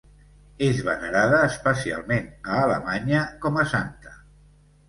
És venerada, especialment a Alemanya, com a santa.